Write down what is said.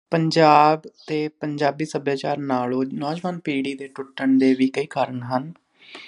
ਪੰਜਾਬ ਤੇ ਪੰਜਾਬੀ ਸਭਿਆਚਾਰ ਨਾਲੋਂ ਨੌਜਵਾਨ ਪੀੜ੍ਹੀ ਦੇ ਟੁੱਟਣ ਦੇ ਵੀ ਕਈ ਕਾਰਨ ਹਨ